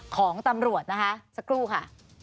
ของตำรวจนะคะสักครู่ค่ะ